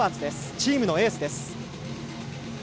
チームのエースです。